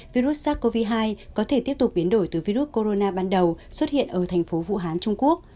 virus sars cov hai có thể tiếp tục biến đổi từ virus corona ban đầu xuất hiện ở thành phố vũ hán trung quốc